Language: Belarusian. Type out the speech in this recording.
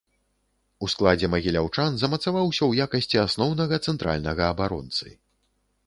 У складзе магіляўчан замацаваўся ў якасці асноўнага цэнтральнага абаронцы.